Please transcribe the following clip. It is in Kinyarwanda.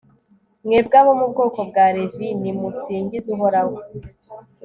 mwebwe abo mu bwoko bwa levi, nimusingize uhoraho